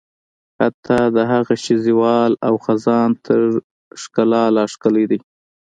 حتی د هغه شي زوال او خزان تر ښکلا لا ښکلی دی.